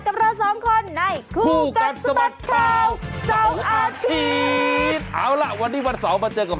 กับเราสองคนในสุดอาทิตย์เอาล่ะวันวันสองมาเจอกับ